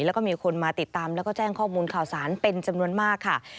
แล้วก็มีคนมาติดตามแล้วก็แจ้งข้อมูลข่าวสารเป็นจำนวนมากค่ะ